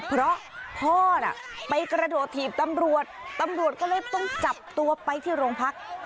เพราะพ่อน่ะไปกระโดดถีบตำรวจตำรวจก็เลยต้องจับตัวไปที่โรงพัก